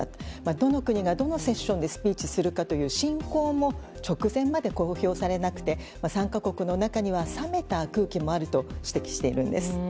どの国がどのセッションでスピーチするかという進行も直前まで公表されなくて参加国の中には冷めた空気もあると指摘しているんです。